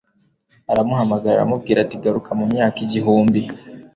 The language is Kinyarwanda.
Aramuhamagara aramubwira ati Garuka mu myaka igihumbi